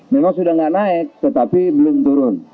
memang sudah tidak naik tetapi belum turun